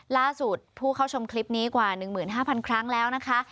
ล่าสุดผู้เข้าชมคลิปนี้กว่าหนึ่งหมื่นห้าพันครั้งแล้วนะคะ